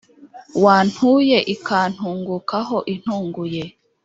wantuye ikantungukaho intunguye